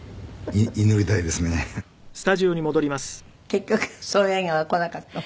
結局そういう映画は来なかったの？